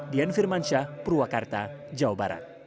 dian firmansyah purwakarta jawa barat